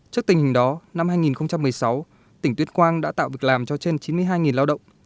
trước tình hình đó năm hai nghìn một mươi sáu tỉnh tuyên quang đã tạo việc làm cho trên chín mươi hai lao động